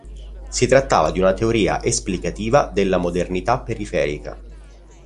Si trattava di una teoria esplicativa della modernità periferica.